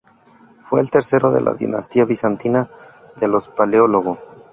Fue el tercero de la dinastía bizantina de los Paleólogo.